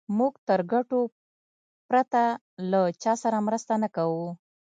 موږ تر ګټو پرته له چا سره مرسته نه کوو.